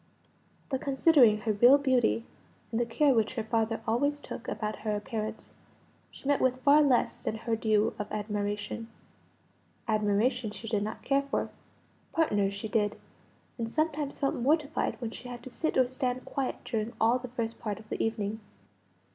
But considering her real beauty, and the care which her father always took about her appearance, she met with far less than her due of admiration. Admiration she did not care for; partners she did; and sometimes felt mortified when she had to sit or stand quiet during all the first part of the evening.